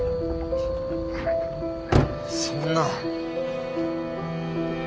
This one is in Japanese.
そんな。